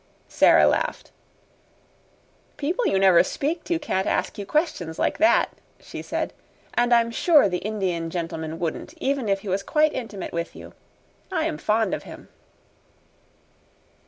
'" Sara laughed. "People you never speak to can't ask you questions like that," she said; "and I'm sure the Indian gentleman wouldn't even if he was quite intimate with you. I am fond of him."